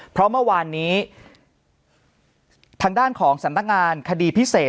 เพราะเมื่อวานนี้ทางด้านของสำนักงานคดีพิเศษ